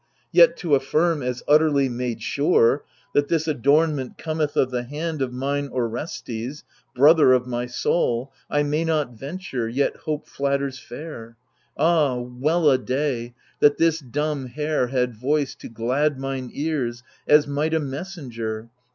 Yet to affirm, as utterly made sure, That this adornment cometh of the hand Of mine Orestes, brother of my soul, I may not venture, yet hope flatters fair ! Ah well a day, that this dumb hair had voice To glad mine ears, as might a messenger.